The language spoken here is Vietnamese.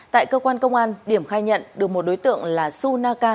tại cơ quan công an điểm khai nhận được một đối tượng là su naka